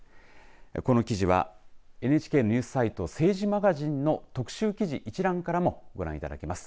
この記事はＮＨＫニュースサイト政治マガジンの特集記事一覧からもご覧いただきます。